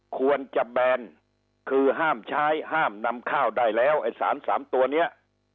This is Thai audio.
ควรจะแบนคือห้ามใช้ห้ามนำข้าวได้แล้วไอ้สารสามตัวเนี้ย